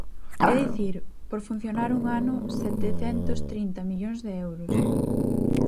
É dicir, por funcionar un ano, setecentos trinta millóns de euros.